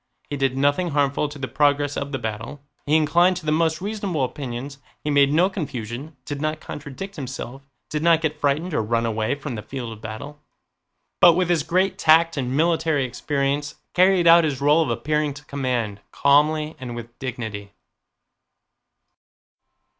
He did nothing harmful to the progress of the battle; he inclined to the most reasonable opinions, he made no confusion, did not contradict himself, did not get frightened or run away from the field of battle, but with his great tact and military experience carried out his role of appearing to command, calmly and with dignity.